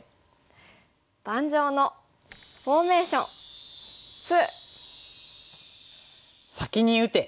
「盤上のフォーメーション２」。